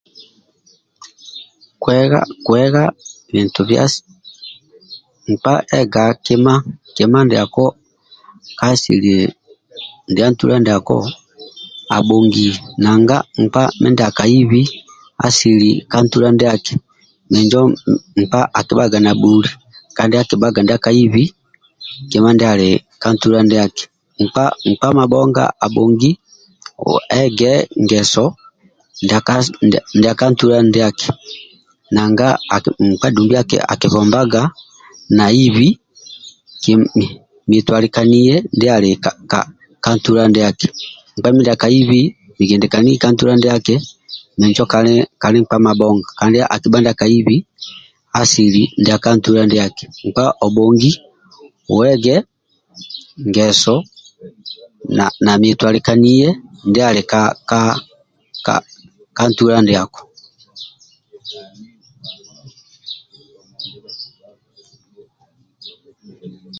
Nkpa ega kima ndiako ka asili ndia ntula ndiako abhongia nanga nkpa mindia akaibi asili ka ntula ndiaki minjo nkpa akibhaga nabhuli kandi akibhaga ndiaka ibi kima ndiaka ntula ndiaki. Nkpa abhongi ega ngeso ndiaka ntula ndiaki nanga nkpa dumbi akibombaga naibi mitwalikaniye andiali ka ntula ndiaki.